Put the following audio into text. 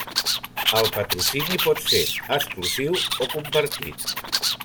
El patrocini pot ser exclusiu o compartit.